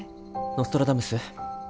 ノストラダムス？